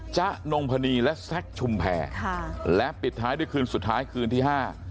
๊ะนงพนีและแซคชุมแพรค่ะและปิดท้ายด้วยคืนสุดท้ายคืนที่ห้า